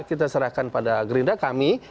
kita serahkan pada gerindra kami